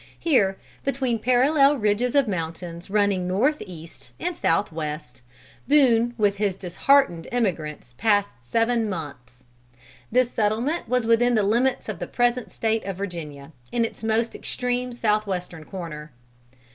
Here, between parallel ridges of mountains running north east and south west, Boone with his disheartened emigrants passed seven months. This settlement was within the limits of the present State of Virginia, in its most extreme south western corner.